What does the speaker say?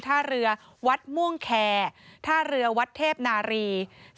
ท่าเรือวัดม่วงแคร์ท่าเรือวัดเทพนารี